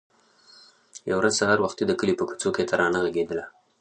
يوه ورځ سهار وختي د کلي په کوڅو کې ترانه غږېدله.